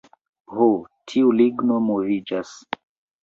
Ho tiu ligno moviĝas...